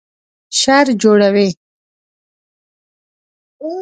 شر جوړوي